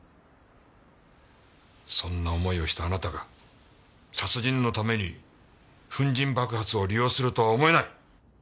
そんな思いをしたあなたが殺人のために粉塵爆発を利用するとは思えない！